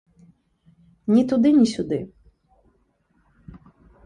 Ні туды, ні сюды.